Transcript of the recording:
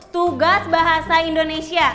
tugas bahasa indonesia